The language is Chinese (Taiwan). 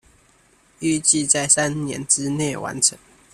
預計在三年之內完成